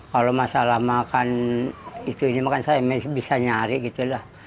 kalau masalah makan itu ini kan saya bisa nyari gitu lah